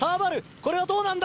これはどうなんだ？